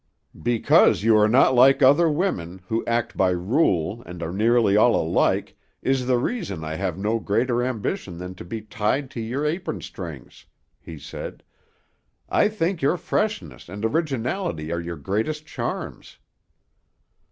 "Because you are not like other women, who act by rule, and are nearly all alike, is the reason I have no greater ambition than to be tied to your apron strings," he said. "I think your freshness and originality are your greatest charms."